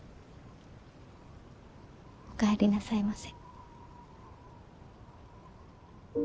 おかえりなさいませ。